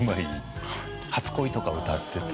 『初恋』とか歌ってて。